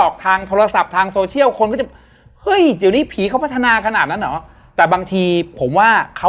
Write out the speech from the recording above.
ของเขาเจอแบบเบวะ